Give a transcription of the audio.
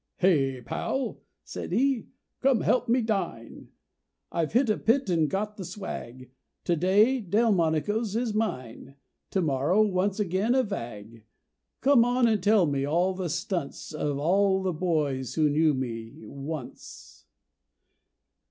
"Hey, pal," said he, "come help me dine; I've hit a pit and got the swag; To day, Delmonico's is mine; To morrow once again a vag. Come on and tell me all the stunts Of all the boys who knew me once."